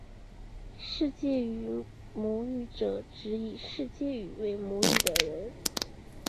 世界语母语者指以世界语为母语的人。